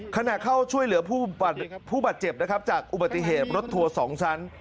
ขณะเข้าช่วยเหลือผู้บาดเจ็บนะครับจากอุบัติเหตุรถทัวร์๒ชั้น